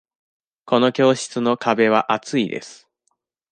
この教室の壁は厚いです。